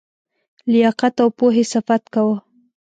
لیاقت او پوهي صفت کاوه.